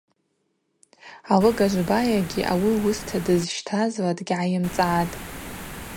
Алыгажв байагьи ауи уыста дызщтазла дгьгӏайымцӏгӏатӏ.